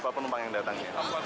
berapa penumpang yang datang